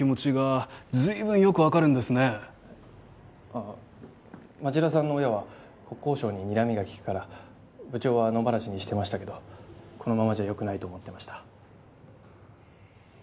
ああ町田さんの親は国交省ににらみが利くから部長は野放しにしてましたけどこのままじゃよくないと思ってました。